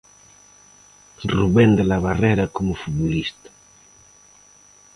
Rubén de la Barrera como futbolista.